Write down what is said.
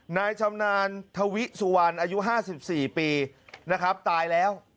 นายชำนาญทวิสุวรรณอายุ๕๔ปีนะครับตายแล้ว